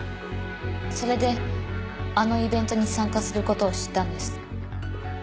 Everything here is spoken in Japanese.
それであのイベントに参加する事を知ったんです。